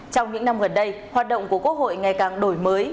trong những năm gần đây hoạt động của quốc hội ngày càng đổi mới